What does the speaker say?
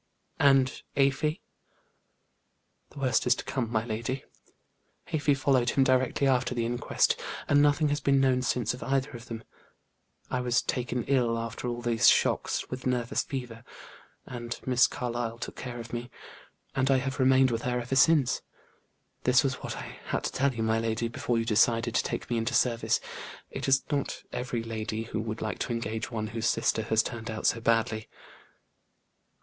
"And Afy?" "The worst is to come my lady. Afy followed him directly after the inquest, and nothing has been known since of either of them. I was taken ill, after all these shocks, with nervous fever, and Miss Carlyle took care of me, and I have remained with her ever since. This was what I had to tell you, my lady, before you decided to take me into service; it is not every lady who would like to engage one whose sister has turned out so badly."